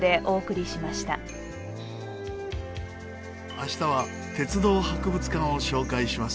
明日は鉄道博物館を紹介します。